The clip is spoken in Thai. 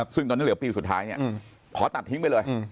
ซึ่งตอนนี้เหลือปีสุดท้ายขอตัดทิ้งไปเลย